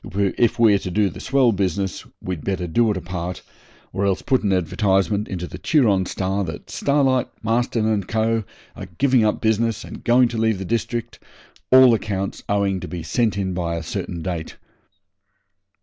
If we're to do the swell business we'd better do it apart, or else put an advertisement into the "Turon Star" that Starlight, Marston, and Co. are giving up business and going to leave the district, all accounts owing to be sent in by a certain date.'